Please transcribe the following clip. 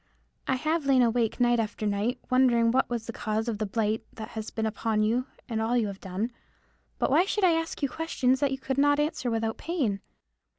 I have lain awake night after night, wondering what was the cause of the blight that has been upon you and all you have done. But why should I ask you questions that you could not answer without pain?